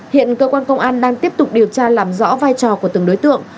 hiện cơ quan công an đang tiếp tục điều tra làm rõ vai trò của từng đối tượng